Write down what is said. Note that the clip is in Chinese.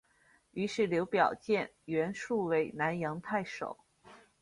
于是刘表荐袁术为南阳太守。